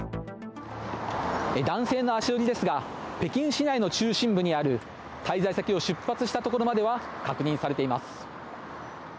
男性の足取りですが北京市内の中心部にある滞在先を出発したところまでは確認されています。